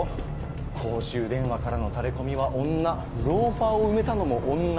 公衆電話からのタレコミは女ローファーを埋めたのも女。